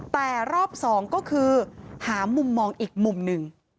แต่รอบสองก็คือหามุมมองอีกมุมหนึ่ง